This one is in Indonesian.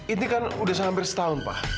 ini kan sudah hampir setahun pak